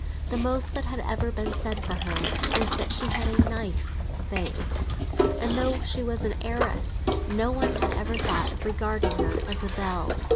The most that had ever been said for her was that she had a "nice" face, and, though she was an heiress, no one had ever thought of regarding her as a belle.